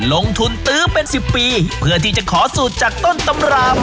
ลงทุนตื้อเป็น๑๐ปีเพื่อที่จะขอสูตรจากต้นตำรับ